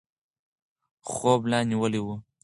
خوب ملا نیولی و.